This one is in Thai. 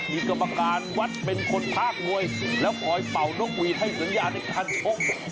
มีกรรมการวัดเป็นคนภาคมวยแล้วคอยเป่านกหวีดให้สัญญาในการชก